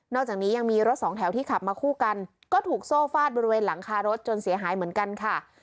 อกจากนี้ยังมีรถสองแถวที่ขับมาคู่กันก็ถูกโซ่ฟาดบริเวณหลังคารถจนเสียหายเหมือนกันค่ะ